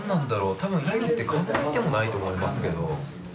多分意味って考えてもないと思いますけど。